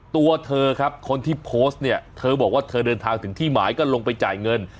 ตัวเธอครับคนที่โพสต์เนี่ยเธอบอกว่าเธอเดินทางถึงที่หมายก็ลงไปจ่ายเงิน